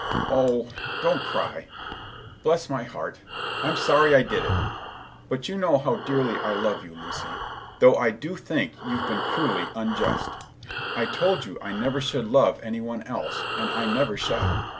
"Oh, don't cry! Bless my heart,—I'm sorry I did it! But you know how dearly I love you, Lucy, though I do think you've been cruelly unjust. I told you I never should love any one else, and I never shall.